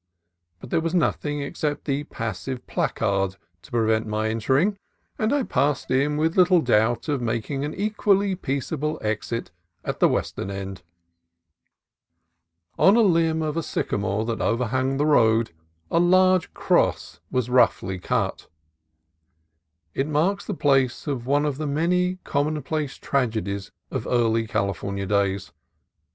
But there was nothing except the passive placard to prevent my entering, and I passed in with little doubt of making an equally peaceable exit at the western end. On a limb of a sycamore that overhung the road a large cross was roughly cut. It marks the place of one of the many commonplace tragedies of early California days.